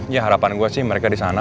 ya harapan gue sih mereka disana